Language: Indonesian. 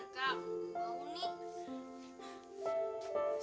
kak mau nih